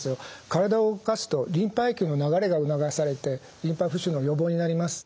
体を動かすとリンパ液の流れが促されてリンパ浮腫の予防になります。